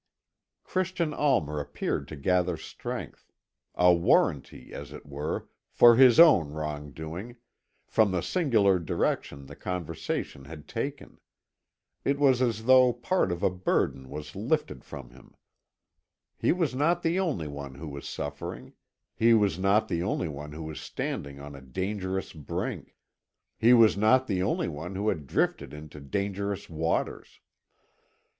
Christian Almer appeared to gather strength a warranty, as it were, for his own wrong doing from the singular direction the conversation had taken. It was as though part of a burden was lifted from him. He was not the only one who was suffering he was not the only one who was standing on a dangerous brink he was not the only one who had drifted into dangerous waters.